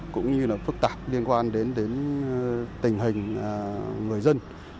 cũng như là phức tạp liên quan đến tình hình người dân